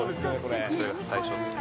それが最初っすね。